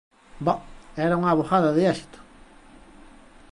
Bo, era unha avogada de éxito.